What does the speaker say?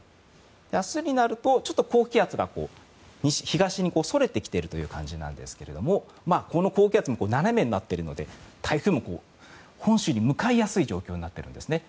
明日になると、ちょっと高気圧が東にそれてきている感じですがこの高気圧も斜めになっているので台風も本州に向かいやすい状況になっているんですね。